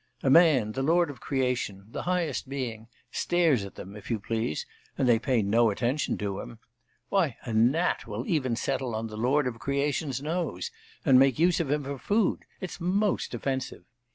A man the lord of creation, the highest being, stares at them, if you please, and they pay no attention to him. Why, a gnat will even settle on the lord of creation's nose, and make use of him for food. It's most offensive.